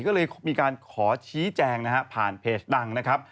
ก็เลยมีการขอชี้แจงนะฮะผ่านเพจดังนะครับ